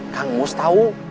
kang mus tau